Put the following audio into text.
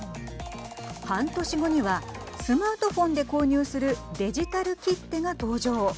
半年後にはスマートフォンで購入するデジタル切手が登場。